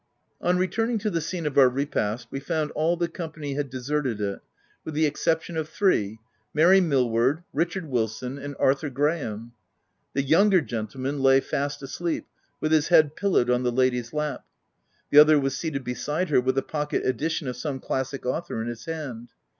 On returning to the scene of our repast, we found all the company had deserted it, with the exception of three — Mary Millward, Richard Wilson, and Arthur Graham. The younger gentleman lay fast asleep with his head pillowed on the lady's lap ; the other was seated beside OF WILDFELL HALL. 135 her with a pocket edition of some classic author in his hand.